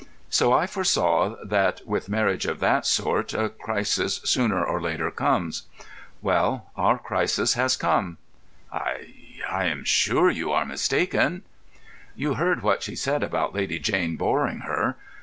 So I foresaw that with marriages of that sort a crisis sooner or later comes. Well, our crisis has come." "I—I am sure you are mistaken." "You heard what she said about Lady Jane boring her.